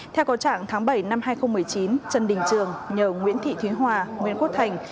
theo cầu trạng tháng bảy năm hai nghìn một mươi chín trần đình trường nhờ nguyễn thị thúy hòa nguyễn quốc thành